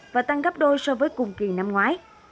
và tăng gấp đôi so với cùng kỳ năm ngoái